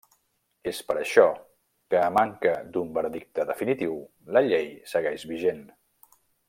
És per això, que a manca d'un veredicte definitiu, la llei segueix vigent.